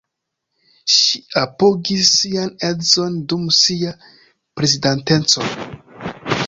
Ŝi apogis sian edzon dum sia prezidanteco.